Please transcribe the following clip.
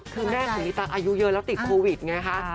คือแม่ของพี่ตั๊กอายุเยอะแล้วติดโควิดไงคะ